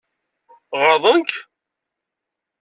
Ɣaḍen-k?